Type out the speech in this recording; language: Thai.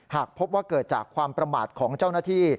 หากพบว่าเกิดจากความประมาทของเจ้าหน้าที่